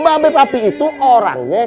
mbak be papi itu orangnya